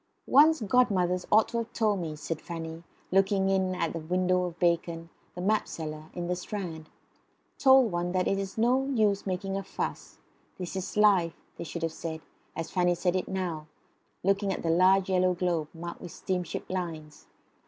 "One's godmothers ought to have told one," said Fanny, looking in at the window of Bacon, the mapseller, in the Strand told one that it is no use making a fuss; this is life, they should have said, as Fanny said it now, looking at the large yellow globe marked with steamship lines.